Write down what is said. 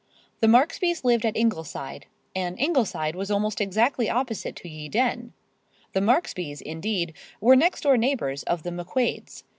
The Marksbys lived at Ingleside, and Ingleside was almost exactly opposite to Ye Dene; the Marksbys, indeed, were next door neighbors of the M'Quades.